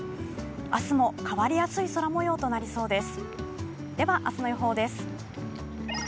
明日も変わりやすい空もようとなりそうです。